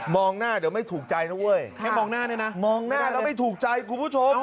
มองหน้าเดี๋ยวไม่ถูกใจนะเว้ยมองหน้าแล้วไม่ถูกใจคุณผู้ชม